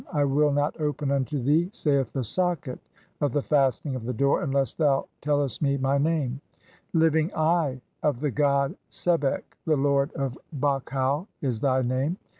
'I will not open unto thee,' "saith the socket of the fastening of the door, 'unless thou "tellest me my name;'] 'Living eye of the god Sebek, the lord "of Bakhau' is thy name.